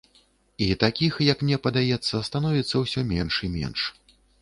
І такіх, як мне падаецца, становіцца ўсё менш і менш.